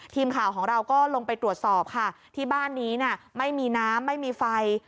ทีมข่าวของเราก็ลงไปตรวจสอบค่ะที่บ้านนี้ไม่มีน้ำไม่มีไฟ